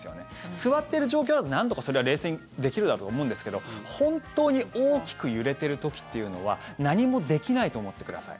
座ってる状況だとなんとかそれは冷静にできるだろうと思うんですけど本当に大きく揺れている時というのは何もできないと思ってください。